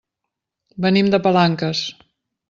Venim de Palanques.